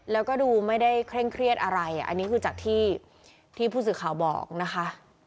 แล้วก็ดูไม่ได้เคร่งเครียดอะไรอันนี้คือจากที่ผู้สื่อข่าวบอกนะคะ